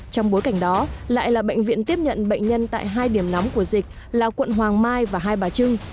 trong bối cảnh đó lại là bệnh viện tiếp nhận bệnh nhân tại hai điểm nóng của dịch là quận hoàng mai và hai bà trưng